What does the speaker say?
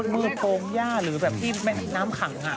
มืดโพงหญ้าหรือแบบที่แม่น้ำขัง